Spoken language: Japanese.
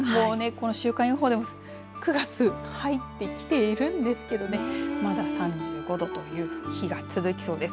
この週間予報でも９月入ってきているんですけどまだ３５度という日が続きそうです。